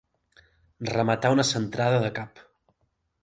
Rematar una centrada de cap.